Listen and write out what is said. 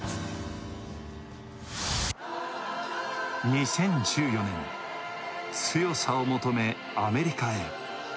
２０１４年、強さを求めアメリカへ。